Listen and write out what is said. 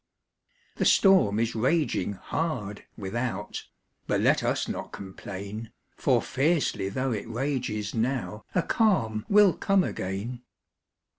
The storm is raging hard, without; But let us not complain, For fiercely tho' it rages now, A calm will come again.